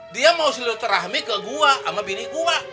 dia mau silo terahmi ke gua sama binik gua